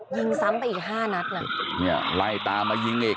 ยิงซ้ำไปอีกห้านัดน่ะเนี่ยไล่ตามมายิงอีก